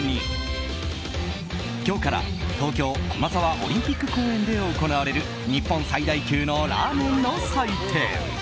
今日から東京・駒沢オリンピック公園で行われる日本最大級のラーメンの祭典。